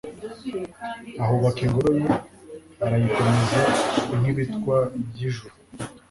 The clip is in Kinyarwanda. ahubaka ingoro ye, arayikomeza nk'ibitwa by'ijuru